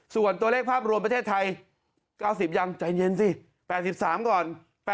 ส่วนตัวเลขภาพรวมประเทศไทย๙๐ยังใจเย็นสิ๘๓ก่อน